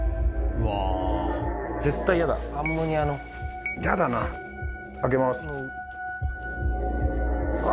・絶対やだアンモニアのやだなあ開けますあ